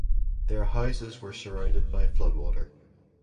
Their houses were surrounded by flood water.